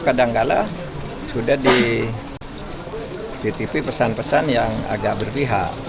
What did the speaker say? kadangkala sudah dititipi pesan pesan yang agak berpihak